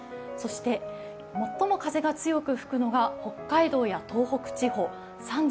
そして最も風が強く吹くのが北海道や東北地方。